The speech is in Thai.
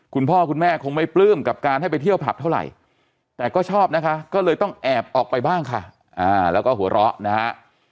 คุณพ่อคุณแม่คงไม่ปลื้มกับการให้ไปเที่ยวผับเท่าไหร่แต่ก็ชอบนะคะก็เลยต้องแอบออกไปบ้างค่ะแล้วก็หัวเราะนะฮะ